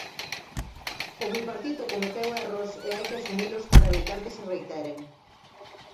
O bipartito cometeu erros e hai que asumilos para evitar que se reiteren.